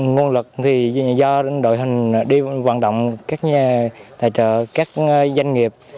nguồn lực thì do đội hình đi vận động các nhà tài trợ các doanh nghiệp